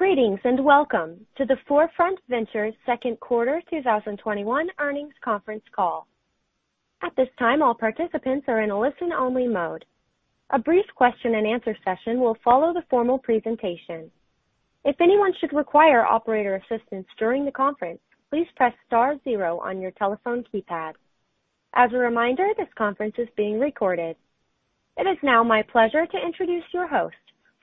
Greetings, and welcome to the 4Front Ventures second quarter 2021 earnings conference call. At this time all participants are in a listen only mode. A brief question and answer session will follow the formal presentation. If anyone should require operator assistance during the conference, please press star zero on your telephone keypad. As a reminder, this conference is being recorded. It is now my pleasure to introduce your host,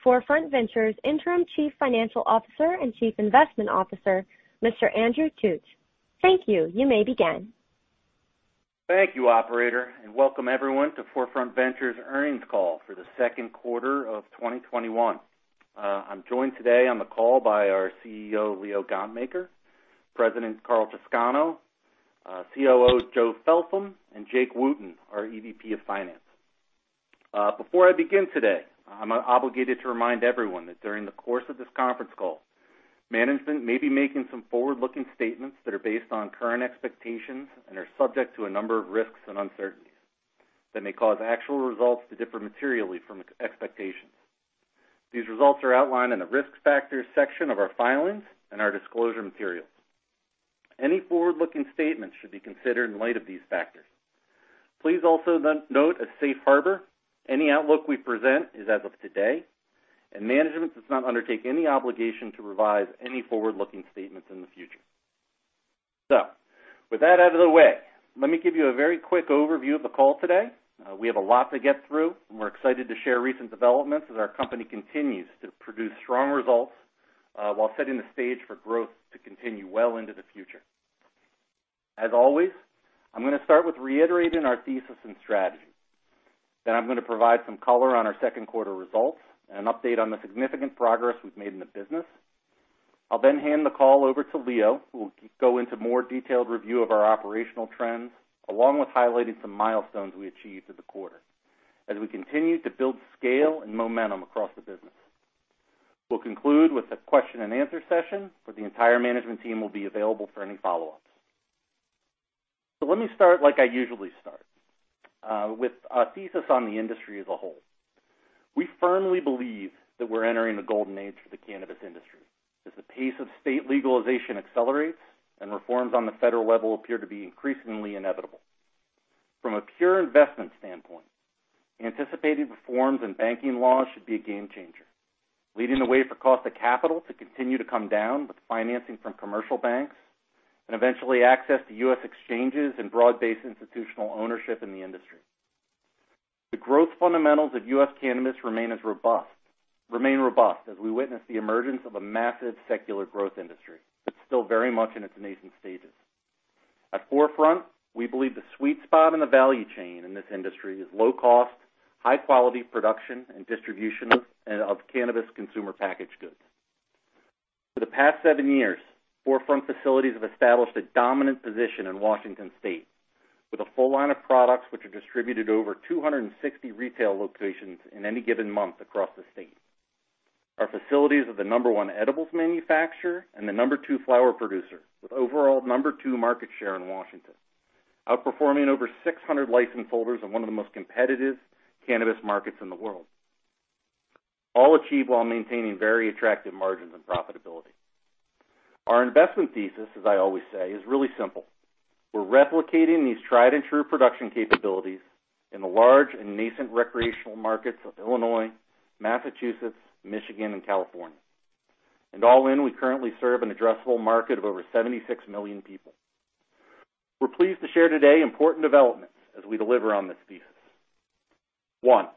4Front Ventures Interim Chief Financial Officer and Chief Investment Officer, Mr. Andrew Thut. Thank you. You may begin. Thank you, operator, and welcome everyone to 4Front Ventures earnings call for the second quarter of 2021. I'm joined today on the call by our CEO, Leo Gontmakher, President, Karl Chowscano, COO, Joe Feltham, and Jake Wooten, our EVP of Finance. Before I begin today, I'm obligated to remind everyone that during the course of this conference call, management may be making some forward-looking statements that are based on current expectations and are subject to a number of risks and uncertainties that may cause actual results to differ materially from expectations. These results are outlined in the Risk Factors section of our filings and our disclosure materials. Any forward-looking statements should be considered in light of these factors. Please also note, as Safe Harbor, any outlook we present is as of today, and management does not undertake any obligation to revise any forward-looking statements in the future. With that out of the way, let me give you a very quick overview of the call today. We have a lot to get through, and we're excited to share recent developments as our company continues to produce strong results, while setting the stage for growth to continue well into the future. As always, I'm going to start with reiterating our thesis and strategy. I'm going to provide some color on our second quarter results and an update on the significant progress we've made in the business. I'll hand the call over to Leo, who will go into more detailed review of our operational trends, along with highlighting some milestones we achieved through the quarter as we continue to build scale and momentum across the business. We'll conclude with a question and answer session where the entire management team will be available for any follow-ups. Let me start like I usually start, with a thesis on the industry as a whole. We firmly believe that we're entering a golden age for the cannabis industry as the pace of state legalization accelerates and reforms on the federal level appear to be increasingly inevitable. From a pure investment standpoint, anticipated reforms in banking laws should be a game changer, leading the way for cost of capital to continue to come down with financing from commercial banks, and eventually access to U.S. exchanges and broad-based institutional ownership in the industry. The growth fundamentals of U.S. cannabis remain robust as we witness the emergence of a massive secular growth industry that's still very much in its nascent stages. At 4Front Ventures, we believe the sweet spot in the value chain in this industry is low cost, high-quality production and distribution of cannabis consumer packaged goods. For the past seven years, 4Front Ventures facilities have established a dominant position in Washington State with a full line of products which are distributed over 260 retail locations in any given month across the state. Our facilities are the number one edibles manufacturer and the number two flower producer, with overall number two market share in Washington, outperforming over 600 license holders in one of the most competitive cannabis markets in the world, all achieved while maintaining very attractive margins and profitability. Our investment thesis, as I always say, is really simple. We're replicating these tried-and-true production capabilities in the large and nascent recreational markets of Illinois, Massachusetts, Michigan, and California. All in, we currently serve an addressable market of over 76 million people. We're pleased to share today important developments as we deliver on this thesis. One,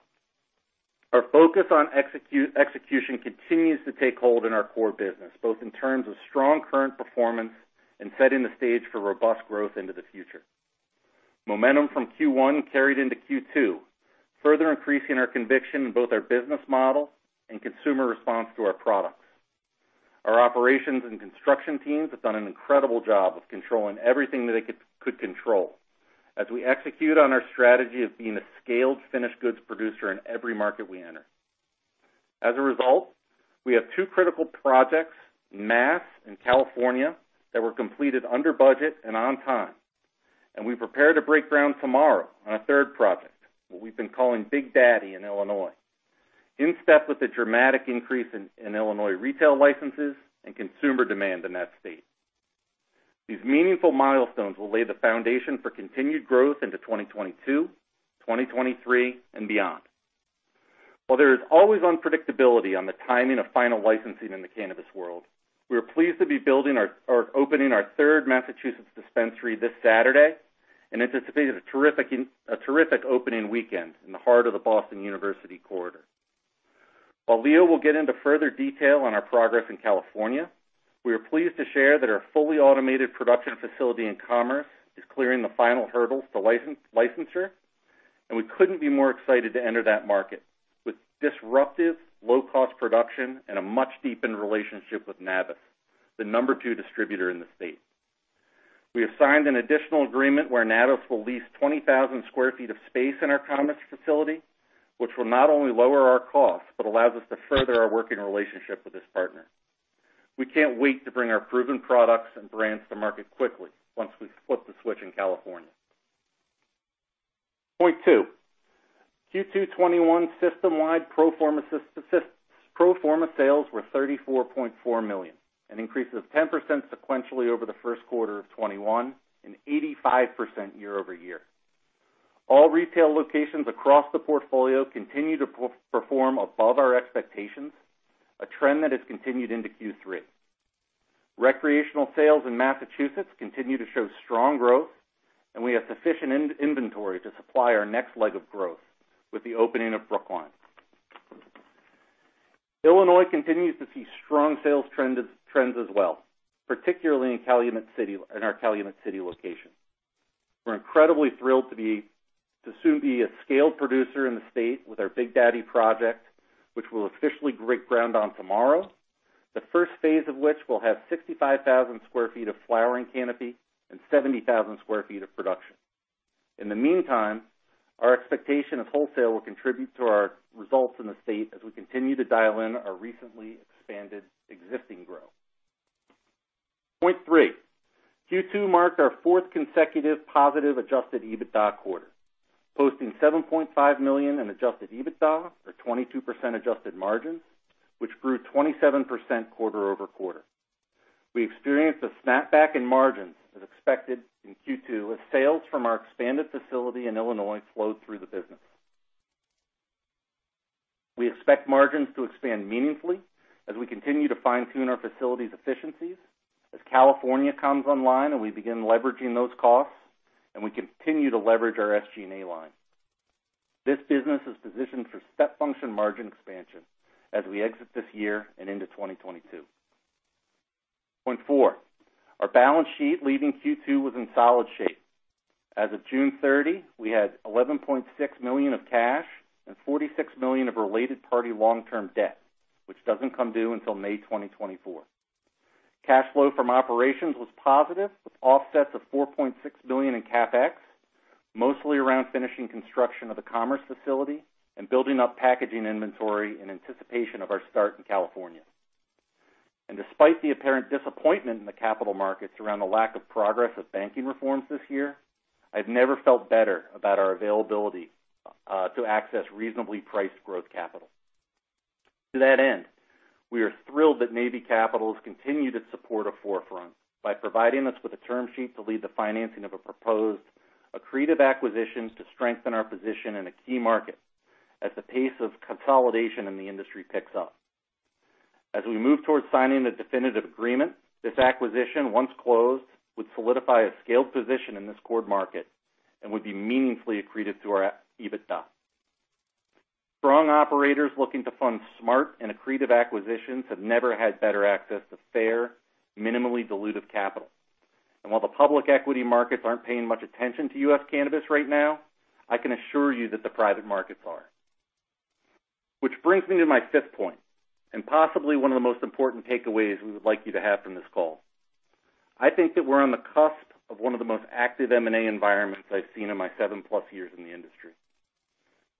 our focus on execution continues to take hold in our core business, both in terms of strong current performance and setting the stage for robust growth into the future. Momentum from Q1 carried into Q2, further increasing our conviction in both our business model and consumer response to our products. Our operations and construction teams have done an incredible job of controlling everything that they could control as we execute on our strategy of being a scaled finished goods producer in every market we enter. As a result, we have two critical projects, Mass and California, that were completed under budget and on time, and we prepare to break ground tomorrow on a third project, what we've been calling Big Daddy in Illinois, in step with the dramatic increase in Illinois retail licenses and consumer demand in that state. These meaningful milestones will lay the foundation for continued growth into 2022, 2023, and beyond. While there is always unpredictability on the timing of final licensing in the cannabis world, we are pleased to be opening our third Massachusetts dispensary this Saturday, and anticipate a terrific opening weekend in the heart of the Boston University corridor. While Leo will get into further detail on our progress in California, we are pleased to share that our fully automated production facility in Commerce is clearing the final hurdles to licensure, and we couldn't be more excited to enter that market with disruptive, low-cost production and a much deepened relationship with Nabis, the number two distributor in the state. We have signed an additional agreement where Nabis will lease 20,000 sq ft of space in our Commerce facility, which will not only lower our costs, but allows us to further our working relationship with this partner. We can't wait to bring our proven products and brands to market quickly once we flip the switch in California. Point two, Q2 2021 system-wide pro forma sales were $34.4 million, an increase of 10% sequentially over the first quarter of 2021, and 85% year-over-year. All retail locations across the portfolio continue to perform above our expectations, a trend that has continued into Q3. Recreational sales in Massachusetts continue to show strong growth, and we have sufficient inventory to supply our next leg of growth with the opening of Brookline. Illinois continues to see strong sales trends as well, particularly in our Calumet City location. We're incredibly thrilled to soon be a scaled producer in the state with our Big Daddy project, which we'll officially break ground on tomorrow. The first phase of which will have 65,000 sq ft of flowering canopy and 70,000 sq ft of production. In the meantime, our expectation of wholesale will contribute to our results in the state as we continue to dial in our recently expanded existing growth. Point three, Q2 marked our fourth consecutive positive adjusted EBITDA quarter, posting $7.5 million in adjusted EBITDA, or 22% adjusted margins, which grew 27% quarter-over-quarter. We experienced a snapback in margins, as expected in Q2, as sales from our expanded facility in Illinois flowed through the business. We expect margins to expand meaningfully as we continue to fine-tune our facility's efficiencies as California comes online and we begin leveraging those costs, and we continue to leverage our SG&A line. This business is positioned for step function margin expansion as we exit this year and into 2022. Point four, our balance sheet leaving Q2 was in solid shape. As of June 30, we had $11.6 million of cash and $46 million of related party long-term debt, which doesn't come due until May 2024. Cash flow from operations was positive, with offsets of $4.6 million in CapEx, mostly around finishing construction of the Commerce facility and building up packaging inventory in anticipation of our start in California. Despite the apparent disappointment in the capital markets around the lack of progress of banking reforms this year, I've never felt better about our availability to access reasonably priced growth capital. To that end, we are thrilled Navy Capital has continued to support 4Front Ventures by providing us with a term sheet to lead the financing of a proposed accretive acquisition to strengthen our position in a key market as the pace of consolidation in the industry picks up. As we move towards signing the definitive agreement, this acquisition, once closed, would solidify a scaled position in this core market and would be meaningfully accretive to its EBITDA. Strong operators looking to fund smart and accretive acquisitions have never had better access to fair, minimally dilutive capital. While the public equity markets aren't paying much attention to U.S. cannabis right now, I can assure you that the private markets are. Which brings me to my fifth point, and possibly one of the most important takeaways we would like you to have from this call. I think that we're on the cusp of one of the most active M&A environments I've seen in my seven-plus years in the industry.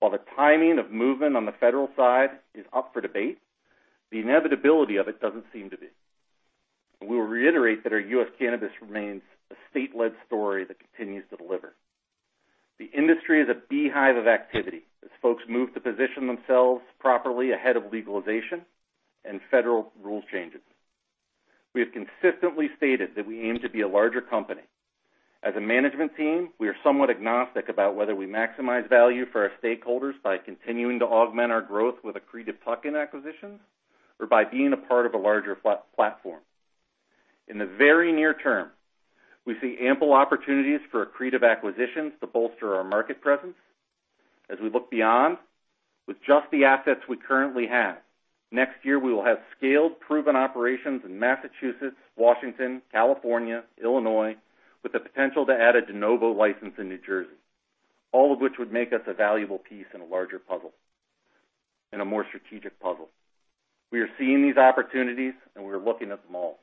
While the timing of movement on the federal side is up for debate, the inevitability of it doesn't seem to be. We will reiterate that our U.S. cannabis remains a state-led story that continues to deliver. The industry is a beehive of activity as folks move to position themselves properly ahead of legalization and federal rule changes. We have consistently stated that we aim to be a larger company. As a management team, we are somewhat agnostic about whether we maximize value for our stakeholders by continuing to augment our growth with accretive plug-in acquisitions or by being a part of a larger platform. In the very near term, we see ample opportunities for accretive acquisitions to bolster our market presence. As we look beyond, with just the assets we currently have, next year we will have scaled proven operations in Massachusetts, Washington, California, Illinois, with the potential to add a de novo license in New Jersey. All of which would make us a valuable piece in a larger puzzle in a more strategic puzzle. We are seeing these opportunities, we are looking at them all.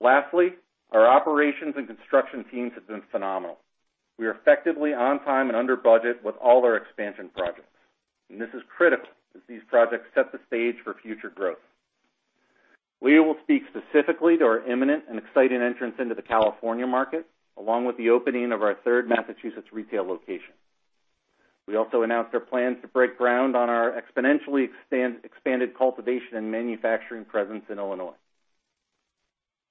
Lastly, our operations and construction teams have been phenomenal. We are effectively on time and under budget with all our expansion projects. This is critical as these projects set the stage for future growth. Leo will speak specifically to our imminent and exciting entrance into the California market, along with the opening of our third Massachusetts retail location. We also announced our plans to break ground on our exponentially expanded cultivation and manufacturing presence in Illinois.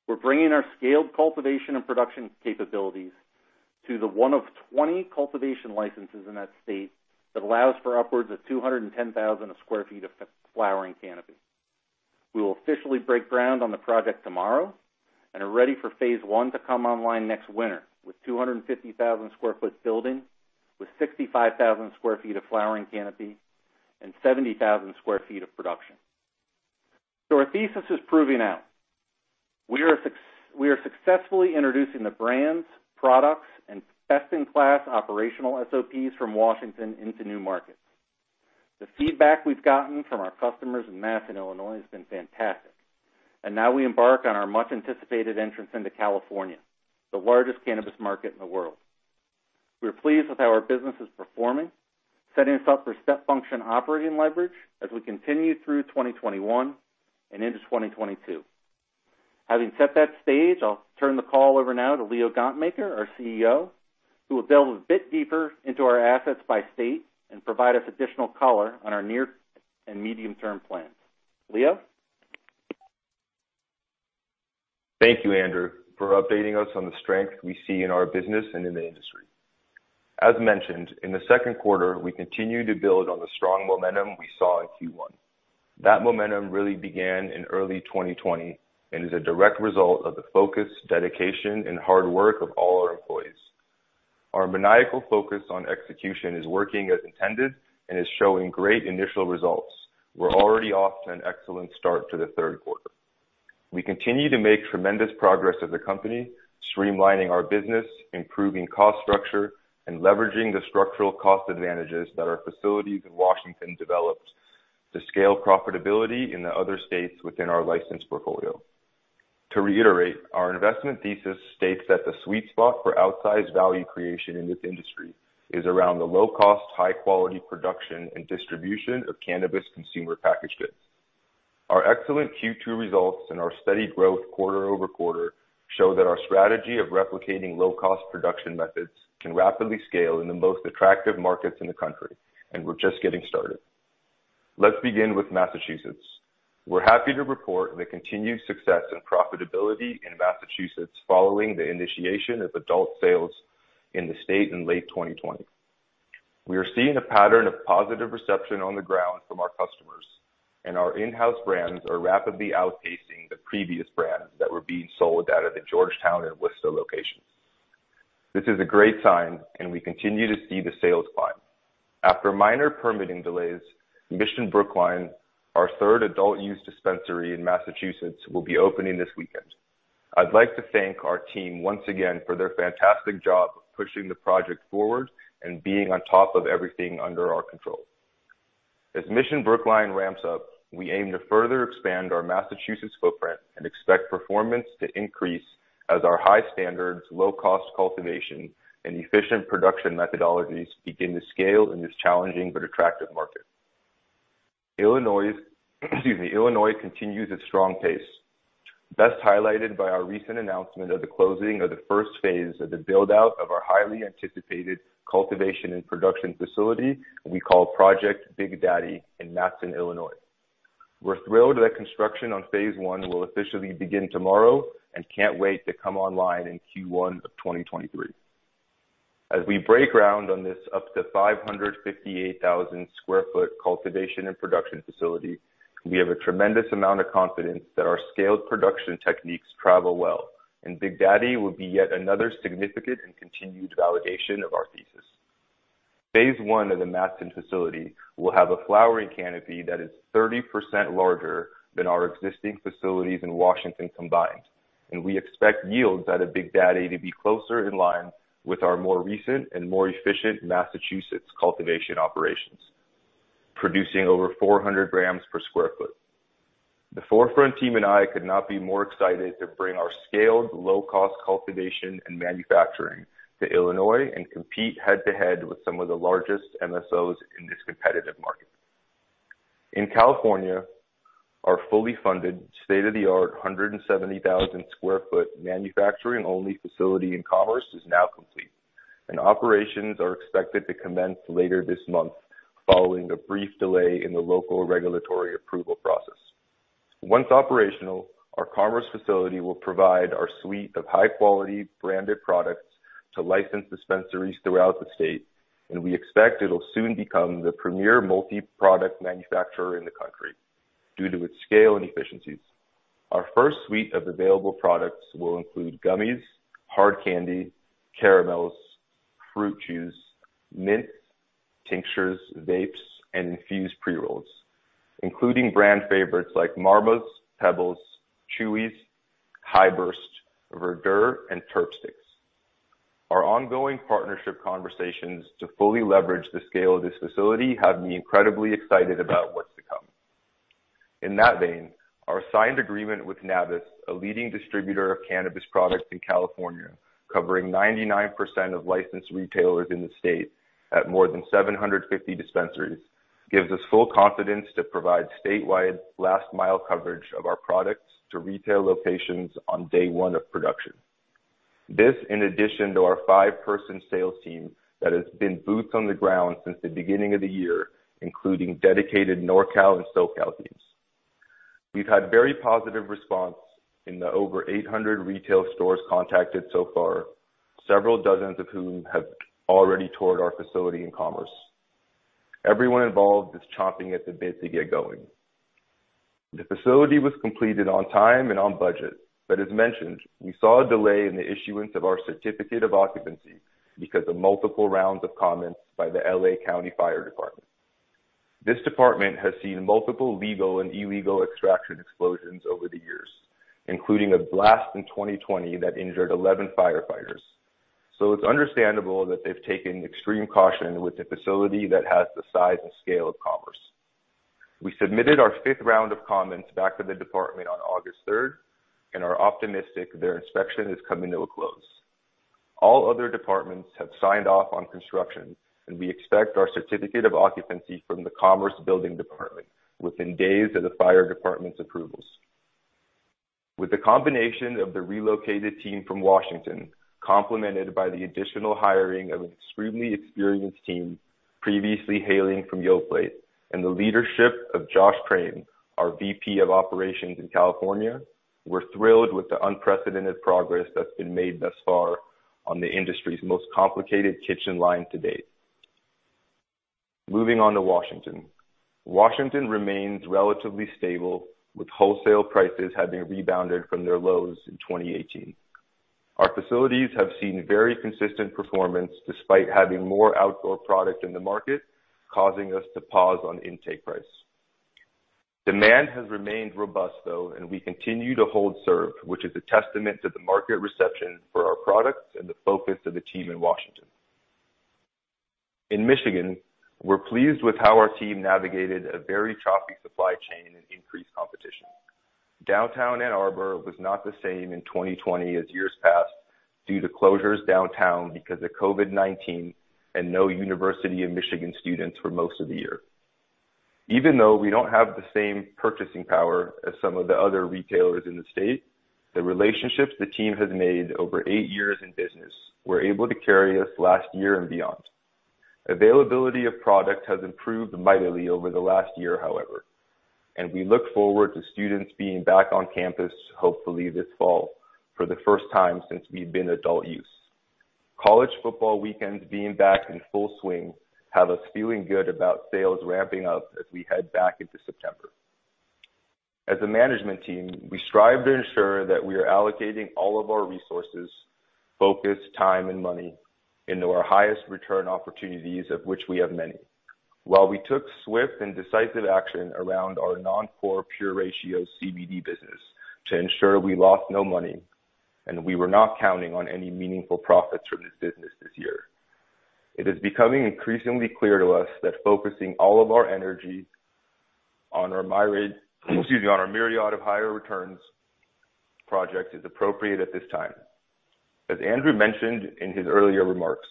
We're bringing our scaled cultivation and production capabilities to the one of 20 cultivation licenses in that state that allows for upwards of 210,000 sq ft of flowering canopy. We will officially break ground on the project tomorrow and are ready for phase I to come online next winter with a 250,000 sq ft building with 65,000 sq ft of flowering canopy and 70,000 sq ft of production. Our thesis is proving out. We are successfully introducing the brands, products, and best-in-class operational SOPs from Washington into new markets. The feedback we've gotten from our customers in Mass and Illinois has been fantastic, and now we embark on our much-anticipated entrance into California, the largest cannabis market in the world. We are pleased with how our business is performing, setting us up for step function operating leverage as we continue through 2021 and into 2022. Having set that stage, I'll turn the call over now to Leo Gontmakher, our CEO, who will delve a bit deeper into our assets by state and provide us additional color on our near and medium-term plans. Leo? Thank you, Andrew, for updating us on the strength we see in our business and in the industry. As mentioned, in the second quarter, we continued to build on the strong momentum we saw in Q1. That momentum really began in early 2020 and is a direct result of the focus, dedication, and hard work of all our employees. Our maniacal focus on execution is working as intended and is showing great initial results. We're already off to an excellent start to the third quarter. We continue to make tremendous progress as a company, streamlining our business, improving cost structure, and leveraging the structural cost advantages that our facilities in Washington developed to scale profitability in the other states within our licensed portfolio. To reiterate, our investment thesis states that the sweet spot for outsized value creation in this industry is around the low-cost, high-quality production and distribution of cannabis consumer packaged goods. Our excellent Q2 results and our steady growth quarter-over-quarter show that our strategy of replicating low-cost production methods can rapidly scale in the most attractive markets in the country, and we're just getting started. Let's begin with Massachusetts. We're happy to report the continued success and profitability in Massachusetts following the initiation of adult sales in the state in late 2020. We are seeing a pattern of positive reception on the ground from our customers, and our in-house brands are rapidly outpacing the previous brands that were being sold out of the Georgetown and Worcester locations. This is a great sign, and we continue to see the sales climb. After minor permitting delays, Mission Brookline, our third adult-use dispensary in Massachusetts, will be opening this weekend. I'd like to thank our team once again for their fantastic job of pushing the project forward and being on top of everything under our control. As Mission Brookline ramps up, we aim to further expand our Massachusetts footprint and expect performance to increase as our high standards, low-cost cultivation, and efficient production methodologies begin to scale in this challenging but attractive market. Illinois continues its strong pace, best highlighted by our recent announcement of the closing of the first phase of the build-out of our highly anticipated cultivation and production facility we call Project Big Daddy in Matteson, Illinois. We're thrilled that construction on phase I will officially begin tomorrow and can't wait to come online in Q1 of 2023. As we break ground on this up to 558,000 sq ft cultivation and production facility, we have a tremendous amount of confidence that our scaled production techniques travel well, and Big Daddy will be yet another significant and continued validation of our thesis. Phase I of the Matteson facility will have a flowering canopy that is 30% larger than our existing facilities in Washington combined, and we expect yields out of Big Daddy to be closer in line with our more recent and more efficient Massachusetts cultivation operations, producing over 400 g per sq ft. The 4Front Ventures team and I could not be more excited to bring our scaled, low-cost cultivation and manufacturing to Illinois and compete head-to-head with some of the largest MSOs in this competitive market. In California, our fully funded state-of-the-art 170,000 sq ft manufacturing-only facility in Commerce is now complete, and operations are expected to commence later this month following a brief delay in the local regulatory approval process. Once operational, our Commerce facility will provide our suite of high-quality branded products to licensed dispensaries throughout the state, and we expect it'll soon become the premier multi-product manufacturer in the country due to its scale and efficiencies. Our first suite of available products will include gummies, hard candy, caramels, fruit juice, mints, tinctures, vapes, and infused pre-rolls, including brand favorites like Marmas, Pebbles, Chewees, Hi-Burst, Verdure, and Terp Stix. Our ongoing partnership conversations to fully leverage the scale of this facility have me incredibly excited about what's to come. In that vein, our signed agreement with Nabis, a leading distributor of cannabis products in California, covering 99% of licensed retailers in the state at more than 750 dispensaries, gives us full confidence to provide statewide last-mile coverage of our products to retail locations on day one of production. This, in addition to our five-person sales team that has been boots on the ground since the beginning of the year, including dedicated NorCal and SoCal teams. We've had very positive response in the over 800 retail stores contacted so far. Several dozens of whom have already toured our facility in Commerce. Everyone involved is chomping at the bit to get going. The facility was completed on time and on budget. As mentioned, I saw a delay in the issuance of our certificate of occupancy because of multiple rounds of comments by the LA County Fire Department. This department has seen multiple legal and illegal extraction explosions over the years, including a blast in 2020 that injured 11 firefighters. It's understandable that they've taken extreme caution with a facility that has the size and scale of Commerce. We submitted our fifth round of comments back to the department on August 3rd and are optimistic their inspection is coming to a close. All other departments have signed off on construction. We expect our certificate of occupancy from the Commerce Building Department within days of the fire department's approvals. With the combination of the relocated team from Washington, complemented by the additional hiring of an extremely experienced team previously hailing from Yoplait, and the leadership of Josh Krane, our VP of Operations in California, we're thrilled with the unprecedented progress that's been made thus far on the industry's most complicated kitchen line to date. Moving on to Washington. Washington remains relatively stable, with wholesale prices having rebounded from their lows in 2018. Our facilities have seen very consistent performance, despite having more outdoor product in the market, causing us to pause on intake price. Demand has remained robust, though, and we continue to hold serve, which is a testament to the market reception for our products and the focus of the team in Washington. In Michigan, we're pleased with how our team navigated a very choppy supply chain and increased competition. Downtown Ann Arbor was not the same in 2020 as years past, due to closures downtown because of COVID-19 and no University of Michigan students for most of the year. Even though we don't have the same purchasing power as some of the other retailers in the state, the relationships the team has made over eight years in business were able to carry us last year and beyond. Availability of product has improved mightily over the last year, however, and we look forward to students being back on campus, hopefully this fall, for the first time since we've been adult use. College football weekends being back in full swing have us feeling good about sales ramping up as we head back into September. As a management team, we strive to ensure that we are allocating all of our resources, focus, time, and money into our highest return opportunities, of which we have many. While we took swift and decisive action around our non-core Pure Ratios CBD business to ensure we lost no money and we were not counting on any meaningful profits from this business this year, it is becoming increasingly clear to us that focusing all of our energy on our myriad of higher returns projects is appropriate at this time. As Andrew mentioned in his earlier remarks,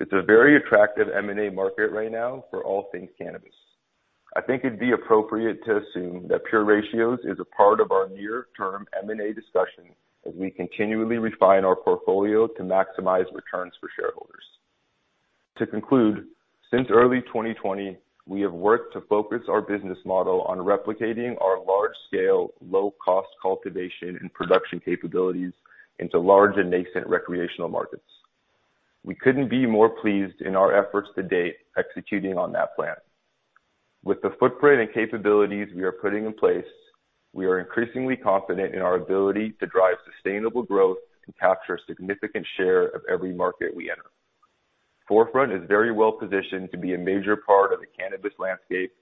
it's a very attractive M&A market right now for all things cannabis. I think it'd be appropriate to assume that Pure Ratios is a part of our near-term M&A discussion, as we continually refine our portfolio to maximize returns for shareholders. To conclude, since early 2020, we have worked to focus our business model on replicating our large-scale, low-cost cultivation and production capabilities into large and nascent recreational markets. We couldn't be more pleased in our efforts to date executing on that plan. With the footprint and capabilities we are putting in place, we are increasingly confident in our ability to drive sustainable growth and capture a significant share of every market we enter. 4Front Ventures is very well-positioned to be a major part of the cannabis landscape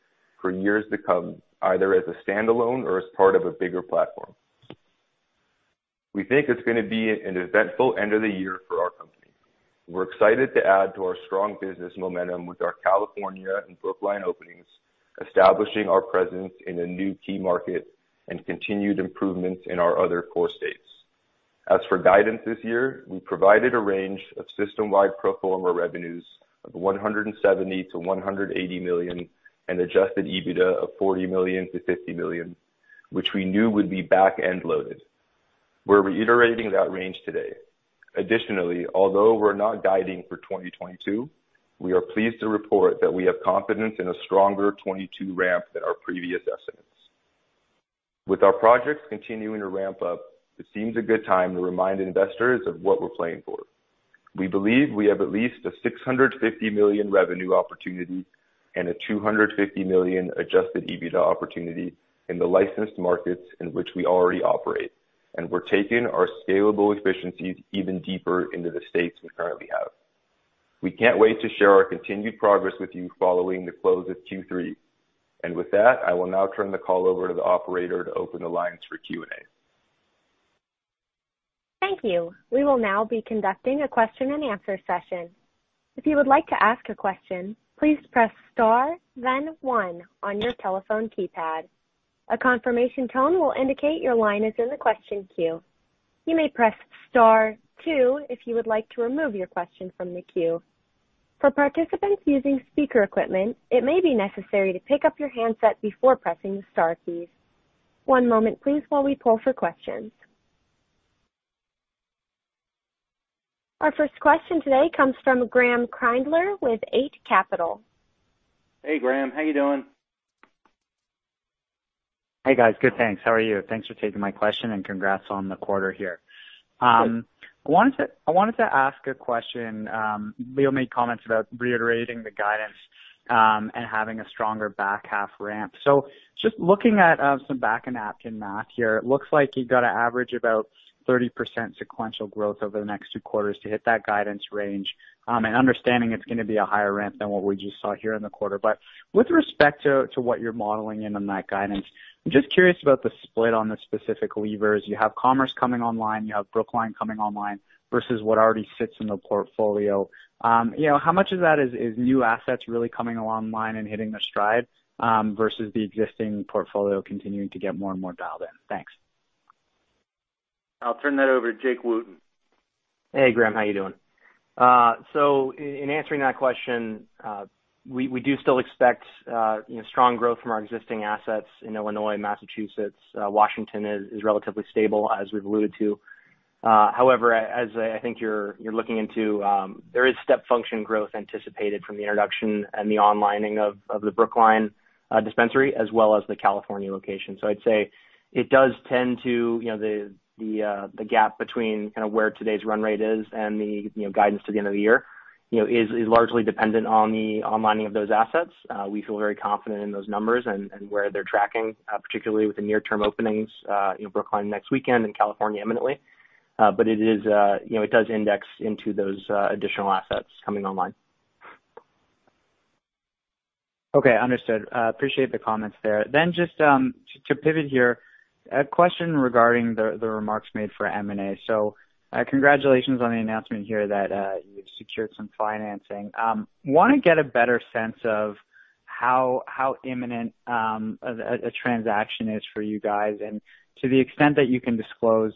for years to come, either as a standalone or as part of a bigger platform. We think it's going to be an eventful end of the year for our company. We're excited to add to our strong business momentum with our California and Brookline openings, establishing our presence in a new key market, and continued improvements in our other core states. As for guidance this year, we provided a range of system-wide pro forma revenues of $170 million-$180 million, and adjusted EBITDA of $40 million-$50 million, which we knew would be back-end loaded. We're reiterating that range today. Additionally, although we're not guiding for 2022, we are pleased to report that we have confidence in a stronger 2022 ramp than our previous estimates. With our projects continuing to ramp up, it seems a good time to remind investors of what we're playing for. We believe we have at least a $650 million revenue opportunity and a $250 million adjusted EBITDA opportunity in the licensed markets in which we already operate, and we're taking our scalable efficiencies even deeper into the states we currently have. We can't wait to share our continued progress with you following the close of Q3. With that, I will now turn the call over to the operator to open the lines for Q&A. Thank you. We will be now conducting a question and answer session. If you would like to ask a question, please press star then one on your telephone keypad. A confirmation tone will indicate your line is in the question queue. You may press star two if you would like to remove your question from the queue. For participants using speaker equipment, it may be necessary to pick up your handset before pressing the star key. One moment please, while we pull for questions. Our first question today comes from Graeme Kreindler with Eight Capital. Hey, Graeme. How you doing? Hey, guys. Good, thanks. How are you? Thanks for taking my question. Congrats on the quarter here. Sure. I wanted to ask a question. Leo made comments about reiterating the guidance and having a stronger back-half ramp. Just looking at some back-of-napkin math here, it looks like you've got to average about 30% sequential growth over the next two quarters to hit that guidance range, and understanding it's going to be a higher ramp than what we just saw here in the quarter. But with respect to what you're modeling in on that guidance, I'm just curious about the split on the specific levers. You have Commerce coming online, you have Brookline coming online, versus what already sits in the portfolio. How much of that is new assets really coming online and hitting their stride, versus the existing portfolio continuing to get more and more dialed in? Thanks. I'll turn that over to Jake Wooten. Hey, Graeme, how you doing? In answering that question, we do still expect strong growth from our existing assets in Illinois and Massachusetts. Washington is relatively stable, as we've alluded to. However, as I think you're looking into, there is step function growth anticipated from the introduction and the onlining of the Brookline dispensary as well as the California location. I'd say it does tend to the gap between where today's run rate is and the guidance to the end of the year is largely dependent on the onlining of those assets. We feel very confident in those numbers and where they're tracking, particularly with the near-term openings in Brookline next weekend and California imminently. It does index into those additional assets coming online. Okay, understood. Appreciate the comments there. Just to pivot here, a question regarding the remarks made for M&A. Congratulations on the announcement here that you've secured some financing. Want to get a better sense of how imminent a transaction is for you guys, and to the extent that you can disclose,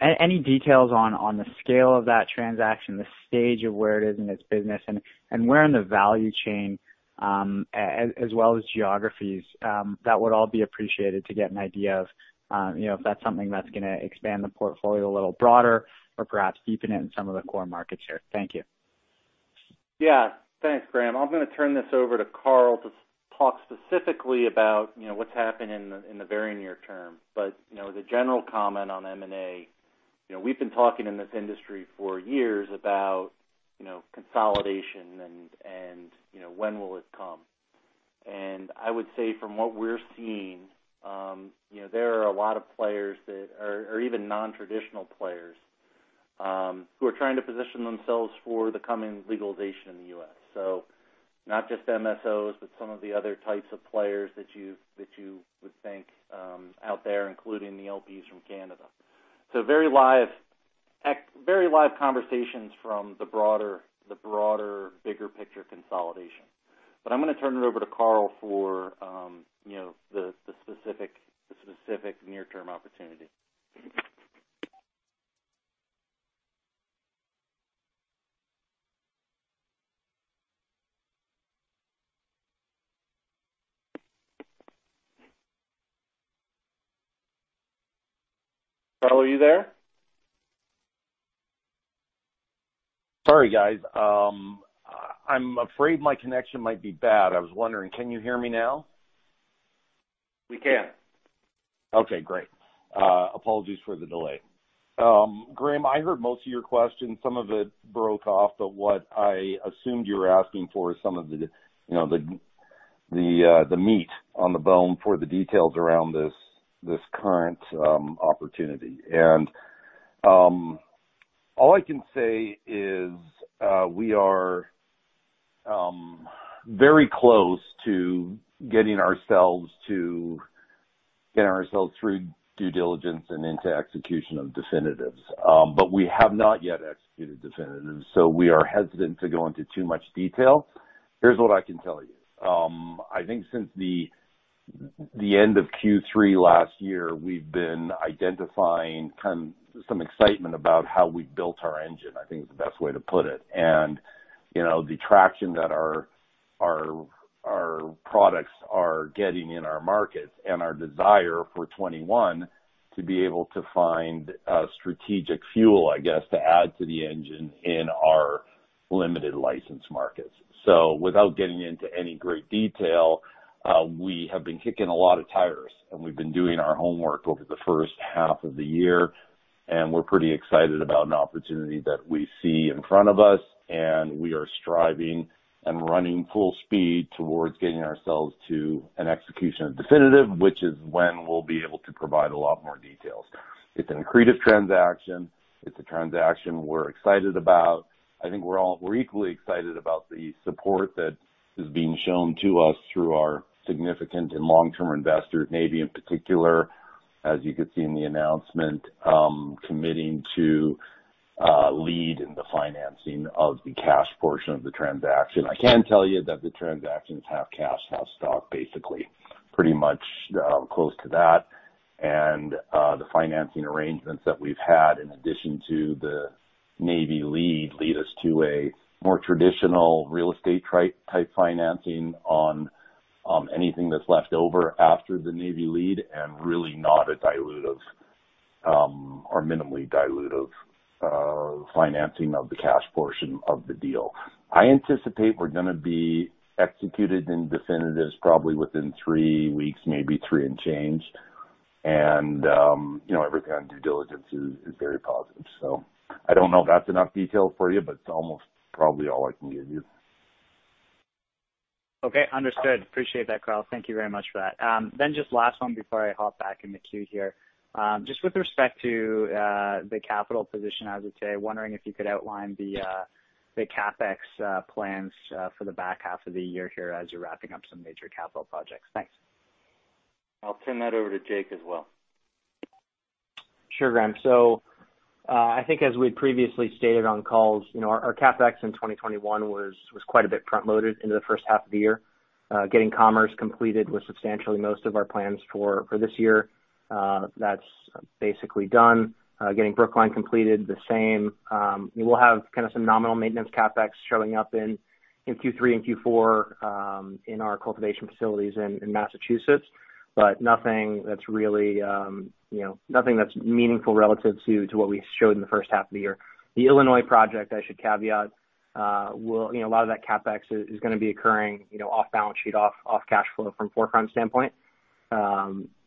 any details on the scale of that transaction, the stage of where it is in its business, and where in the value chain, as well as geographies that would all be appreciated to get an idea of if that's something that's going to expand the portfolio a little broader or perhaps deepen it in some of the core markets here? Thank you. Yeah. Thanks, Graeme. I'm going to turn this over to Karl to talk specifically about what's happening in the very near-term. The general comment on M&A, we've been talking in this industry for years about consolidation and when will it come. I would say from what we're seeing, there are a lot of players that are even non-traditional players, who are trying to position themselves for the coming legalization in the U.S. Not just MSOs, but some of the other types of players that you would think out there, including the LPs from Canada. Very live conversations from the broader, bigger picture consolidation. I'm going to turn it over to Karl for the specific near-term opportunity. Karl, are you there? Sorry, guys. I'm afraid my connection might be bad. I was wondering, can you hear me now? We can. Okay, great. Apologies for the delay. Graeme, I heard most of your question. Some of it broke off, what I assumed you were asking for is some of the meat on the bone for the details around this current opportunity. All I can say is we are very close to getting ourselves through due diligence and into execution of definitives. We have not yet executed definitives, we are hesitant to go into too much detail. Here's what I can tell you. I think since the end of Q3 last year, we've been identifying some excitement about how we built our engine, I think is the best way to put it. The traction that our products are getting in our markets and our desire for 2021 to be able to find strategic fuel, I guess, to add to the engine in our limited license markets. Without getting into any great detail, we have been kicking a lot of tires, and we've been doing our homework over the first half of the year, and we're pretty excited about an opportunity that we see in front of us, and we are striving and running full speed towards getting ourselves to an execution of definitive, which is when we'll be able to provide a lot more details. It's an accretive transaction. It's a transaction we're excited about. I think we're equally excited about the support that is being shown to us through our significant and long-term investors, Navy Capital in particular, as you could see in the announcement, committing to lead in the financing of the cash portion of the transaction. I can tell you that the transactions have cash, have stock, basically, pretty much close to that. The financing arrangements that we've had, in addition to the Navy Capital lead us to a more traditional real estate type financing on anything that's left over after the Navy Capital lead, and really not a dilutive, or minimally dilutive financing of the cash portion of the deal. I anticipate we're going to be executed in definitives probably within three weeks, maybe three and change. Everything on due diligence is very positive. I don't know if that's enough detail for you, but it's almost probably all I can give you. Okay, understood. Appreciate that, Karl. Thank you very much for that. Just last one before I hop back in the queue here. Just with respect to the capital position, I would say, wondering if you could outline the CapEx plans for the back half of the year here as you're wrapping up some major capital projects? Thanks. I'll turn that over to Jake as well. Sure, Graeme. I think as we had previously stated on calls, our CapEx in 2021 was quite a bit front-loaded into the first half of the year. Getting Commerce completed was substantially most of our plans for this year. That's basically done. Getting Brookline completed, the same. We will have some nominal maintenance CapEx showing up in Q3 and Q4 in our cultivation facilities in Massachusetts, but nothing that's meaningful relative to what we showed in the first half of the year. The Illinois project, I should caveat, a lot of that CapEx is going to be occurring off balance sheet, off cash flow from 4Front Ventures standpoint.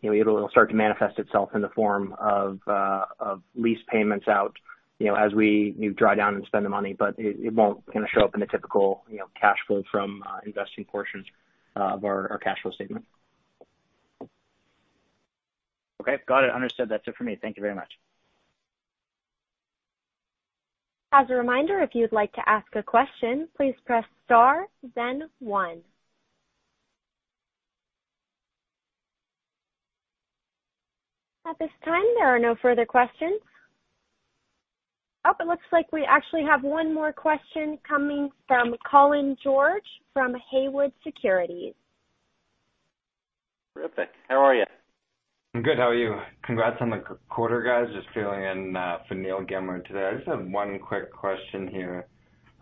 It'll start to manifest itself in the form of lease payments out as we draw down and spend the money, but it won't show up in the typical cash flow from investing portions of our cash flow statement. Okay, got it. Understood. That's it for me. Thank you very much. As a reminder, if you'd like to ask a question, please press star then one. At this time, there are no further questions. Oh, it looks like we actually have one more question coming from Colin George from Haywood Securities. Terrific. How are you? I'm good. How are you? Congrats on the quarter, guys. Just filling in for Neal Gilmer today. I just have one quick question here.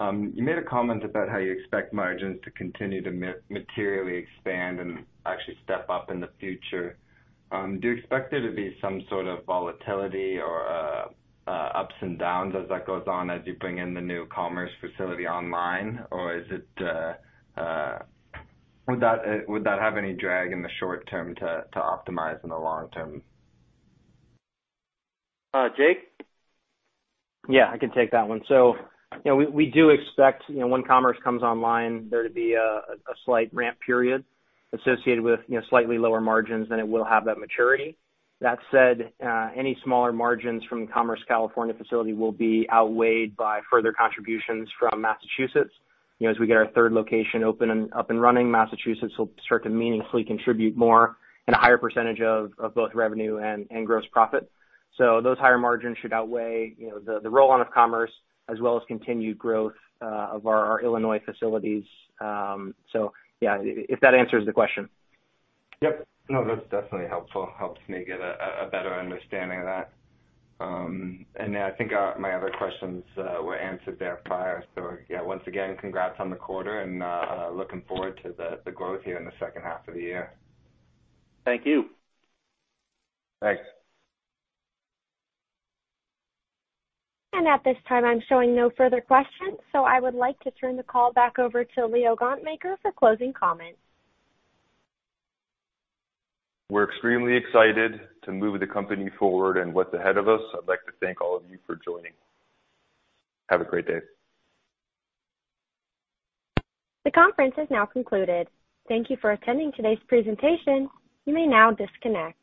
You made a comment about how you expect margins to continue to materially expand and actually step up in the future. Do you expect there to be some sort of volatility or ups and downs as that goes on, as you bring in the new Commerce facility online? Would that have any drag in the short-term to optimize in the long-term? Jake, I can take that one. We do expect, when Commerce comes online, there to be a slight ramp period associated with slightly lower margins, then it will have that maturity. That said, any smaller margins from the Commerce, California facility will be outweighed by further contributions from Massachusetts. As we get our third location open and up and running, Massachusetts will start to meaningfully contribute more and a higher percentage of both revenue and gross profit. Those higher margins should outweigh the roll-on of Commerce as well as continued growth of our Illinois facilities. If that answers the question. Yep. No, that's definitely helpful. Helps me get a better understanding of that. Yeah, I think my other questions were answered there prior. Yeah, once again, congrats on the quarter and looking forward to the growth here in the second half of the year. Thank you. Thanks. At this time, I'm showing no further questions, so I would like to turn the call back over to Leo Gontmakher for closing comments. We're extremely excited to move the company forward and what's ahead of us. I'd like to thank all of you for joining. Have a great day. The conference has now concluded. Thank you for attending today's presentation. You may now disconnect.